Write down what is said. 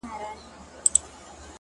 o ستا د سترگو جام مي د زړه ور مات كـړ،